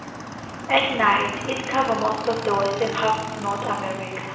At night, it covers most of the western half of North America.